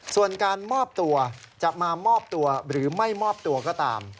ส่วนการมอบตัวจะมามอบตัวหรือไม่มอบตัวก็ตาม